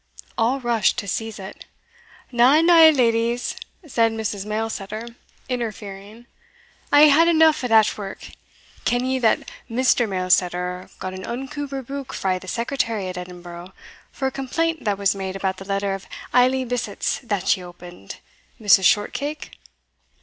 All rushed to seize it. "Na, na, leddies," said Mrs. Mailsetter, interfering; "I hae had eneugh o' that wark Ken ye that Mr. Mailsetter got an unco rebuke frae the secretary at Edinburgh, for a complaint that was made about the letter of Aily Bisset's that ye opened, Mrs. Shortcake?"